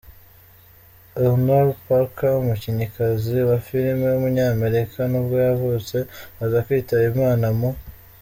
Eleanor Parker, umukinnyikazi wa filime w’umunyamerika nibwo yavutse, aza kwitaba Imana mu .